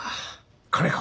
金か。